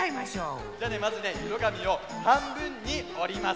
じゃあまずねいろがみをはんぶんにおります。